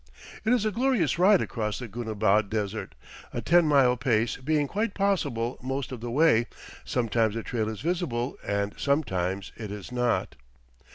It is a glorious ride across the Goonabad Desert, a ten mile pace being quite possible most of the way; sometimes the trail is visible and sometimes it is not.